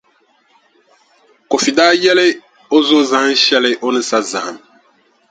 Kofi daa yɛli o zo zahinʼ shɛli o ni sa zahim.